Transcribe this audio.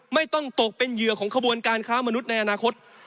ไม่ต้องตกเป็นเหยื่อของขบวนการค้ามนุษย์ในอนาคต